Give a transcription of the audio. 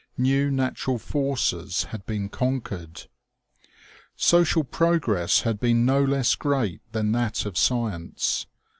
New natural forces had been conquered. Social progress had been no less great than that of sci ence.